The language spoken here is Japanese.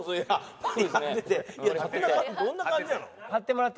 どんな感じなの？